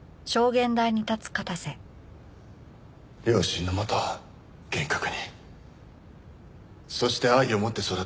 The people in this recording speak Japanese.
両親のもと厳格にそして愛を持って育てられた。